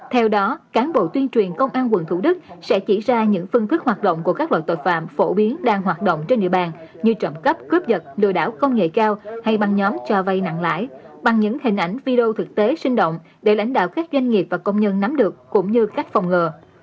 theo đó cán bộ tuyên truyền công an quận thủ đức sẽ chỉ ra những phương thức hoạt động của các loại tội phạm phổ biến đang hoạt động trên địa bàn như trộm cắp cướp dật lừa đảo công nghệ cao hay băng nhóm cho vay nặng lãi bằng những hình ảnh video thực tế sinh động để lãnh đạo các doanh nghiệp và công nhân nắm được cũng như cách phòng ngừa